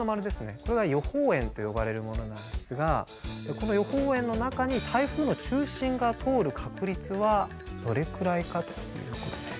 これが予報円と呼ばれるものなんですがこの予報円の中に台風の中心が通る確率はどれくらいかということです。